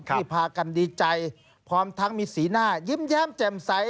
พากันดีใจพร้อมทั้งมีสีหน้ายิ้มแย้มแจ่มใส